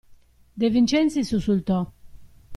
De Vincenzi sussultò.